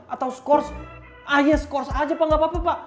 atau skors ayah skors aja pak gak apa apa pak